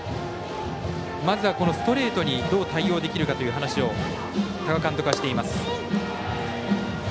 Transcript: まずはストレートにどう対応できるかという話を多賀監督はしています。